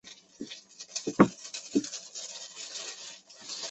日记是以日期为排列顺序的笔记。